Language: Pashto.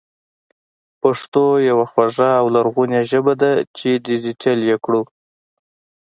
پښتو يوه خواږه او لرغونې ژبه ده چې ډېجېټل يې کړو